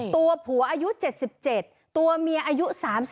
ตัวผัวอายุ๗๗ตัวเมียอายุ๓๒